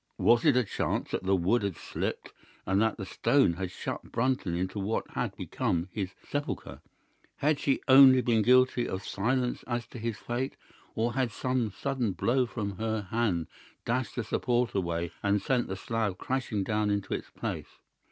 Was it a chance that the wood had slipped, and that the stone had shut Brunton into what had become his sepulchre? Had she only been guilty of silence as to his fate? Or had some sudden blow from her hand dashed the support away and sent the slab crashing down into its place?